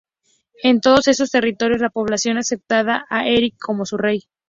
En todos esos territorios, la población aceptaba a Erik como su rey.